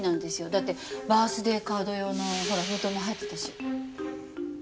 だってバースデーカード用のほら封筒も入ってたし。